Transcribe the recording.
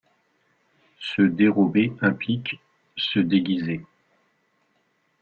Se dérober implique se déguiser.